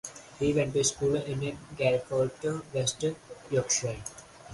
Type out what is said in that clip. He went to school in Garforth, West Yorkshire.